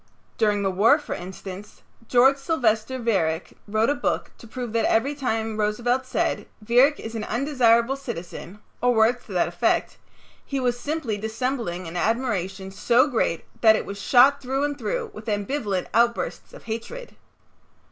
During the war, for instance, George Sylvester Viereck wrote a book to prove that every time Roosevelt said, "Viereck is an undesirable citizen," or words to that effect, he was simply dissembling an admiration so great that it was shot through and through with ambivalent outbursts of hatred.